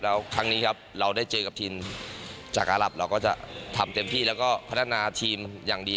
แล้วครั้งนี้ครับเราได้เจอกับทีมจากอารับเราก็จะทำเต็มที่แล้วก็พัฒนาทีมอย่างดี